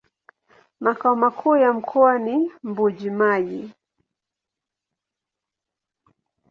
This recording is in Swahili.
Makao makuu ya mkoa ni Mbuji-Mayi.